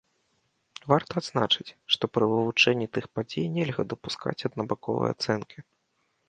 Варта адзначыць, што пры вывучэнні тых падзей нельга дапускаць аднабаковыя ацэнкі.